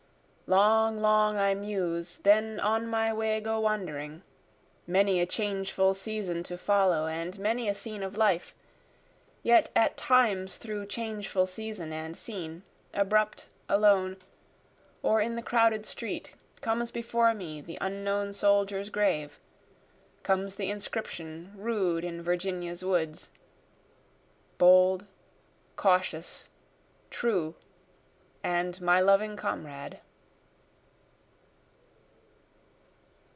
Long, long I muse, then on my way go wandering, Many a changeful season to follow, and many a scene of life, Yet at times through changeful season and scene, abrupt, alone, or in the crowded street, Comes before me the unknown soldier's grave, comes the inscription rude in Virginia's woods, Bold, cautious, true, and my loving comrade.